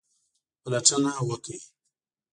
پلټنه وکړئ